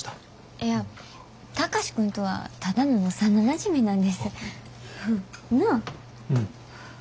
いや貴司君とはただの幼なじみなんです。なあ？